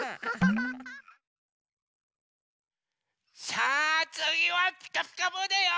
さあつぎは「ピカピカブ！」だよ。